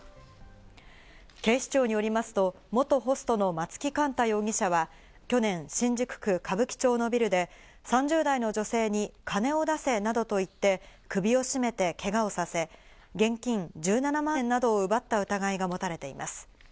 警視庁によりますと、元ホストの松木幹太容疑者は去年、新宿区歌舞伎町のビルで３０代の女性に金を出せなどと言って首を絞めて、けがをさせ現金１７万円などを奪った疑いが持たれています。